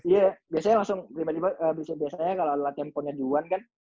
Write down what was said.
iya biasanya langsung biasanya kalau latihan ponnya di wuhan kan